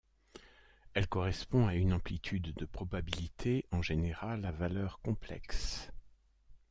Elle correspond à une amplitude de probabilité, en général à valeur complexe.